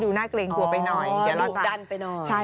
ดูหน้าเกรงกลัวไปหน่อย